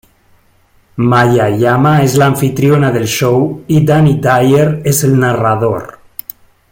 Maya Jama es la anfitriona del show y Danny Dyer es el narrador.